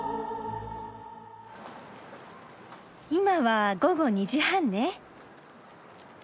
今は午後２時半ね。